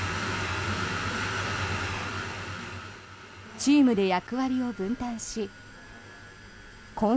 チームで役割を分担しこん